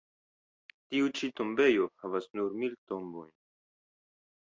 Tiu ĉi tombejo havas nur mil tombojn.